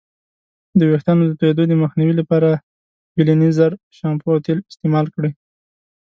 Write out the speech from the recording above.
د ویښتانو د توییدو د مخنیوي لپاره بیلینزر شامپو او تیل استعمال کړئ.